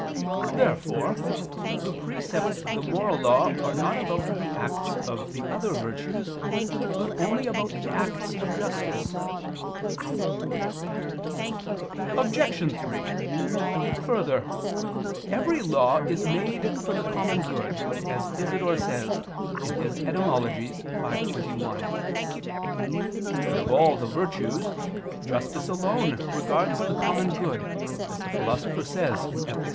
Therefore the precepts of the moral law are not about the acts of the other virtues, but only about the acts of justice. Obj. 3: Further, every law is made for the common good, as Isidore says (Etym. v, 21). But of all the virtues justice alone regards the common good, as the Philosopher says (Ethic.